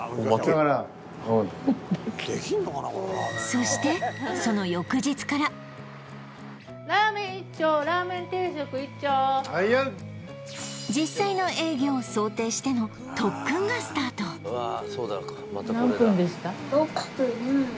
そしてその翌日から実際の営業を想定しての特訓がスタートあ